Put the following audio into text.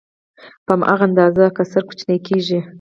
په هماغه اندازه کسر کوچنی کېږي